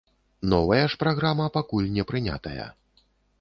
Новая ж праграма пакуль не прынятая.